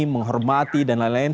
menghormati dan lain lain